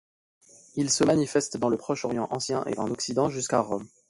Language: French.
Ils se manifestent dans le Proche-Orient ancien et en Occident jusqu'à Rome.